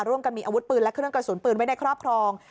ร่วมกันมีอาวุธปืนและเครื่องกระสุนปืนไว้ในครอบครอง